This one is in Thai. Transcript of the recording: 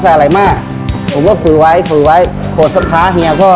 แต่กลัวผมดูว่าเขาจะใส่อะไรมาก